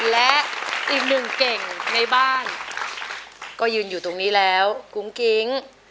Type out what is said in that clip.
และอีกหนึ่งเก่งในบ้านก็ยืนอยู่ตรงนี้แล้วกุ้งกิ๊ง